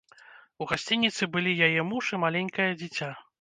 У гасцініцы былі яе муж і маленькае дзіця.